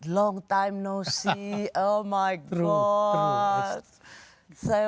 lama tidak melihat oh tuhan